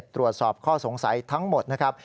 ตรวจสอบข้อสงสัยทั้งหมดนะครับ